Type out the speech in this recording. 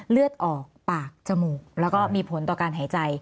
เลือดออกปากจมูกแล้วก็มีผลต่อการหายใจ